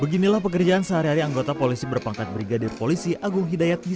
beginilah pekerjaan sehari hari anggota polisi berpangkat brigadir polisi agung hidayat di